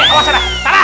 nanti pak ustadz